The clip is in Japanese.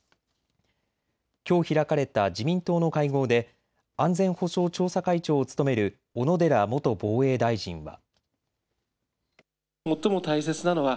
きょう開かれた自民党の会合で安全保障調査会長を務める小野寺元防衛大臣は。